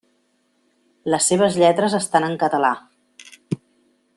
Les seves lletres estan en català.